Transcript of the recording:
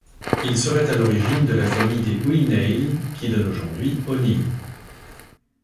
Il serait à l'origine de la famille des Uí Néill qui donne aujourd'hui O'Neill.